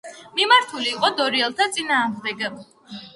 მიმართული იყო დორიელთა წინააღმდეგ.